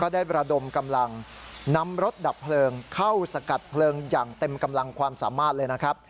ระดมกำลังนำรถดับเพลิงเข้าสกัดเพลิงอย่างเต็มกำลังความสามารถเลยนะครับ